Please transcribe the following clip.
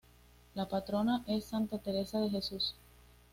La Patrona es Santa Teresa de Jesús.